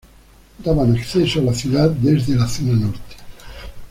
Daba acceso a la ciudad desde la zona norte.